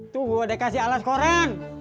tunggu ada yang kasih alat koreng